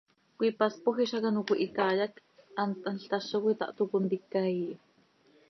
Cöipaspoj hizac ano cöihitai hac hant thanl tazo cöitáh, toc contica ihi.